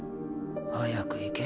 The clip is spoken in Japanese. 早く行け。